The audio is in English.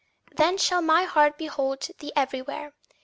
Then shall my heart behold thee everywhere.